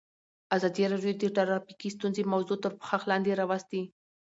ازادي راډیو د ټرافیکي ستونزې موضوع تر پوښښ لاندې راوستې.